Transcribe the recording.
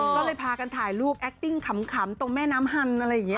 ก็เลยพากันถ่ายรูปแอคติ้งขำตรงแม่น้ำฮัน